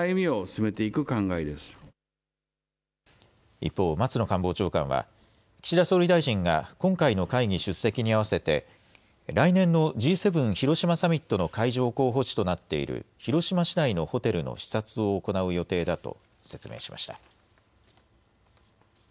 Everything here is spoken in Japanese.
一方、松野官房長官は岸田総理大臣が今回の会議出席に合わせて来年のＧ７広島サミットの会場候補地となっている広島市内のホテルの視察を行う予定だと説明しました。